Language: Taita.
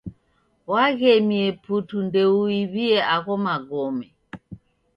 Waghemie putu ndouiw'ie agho magome.